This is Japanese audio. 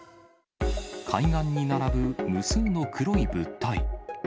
海岸に並ぶ無数の黒い物体。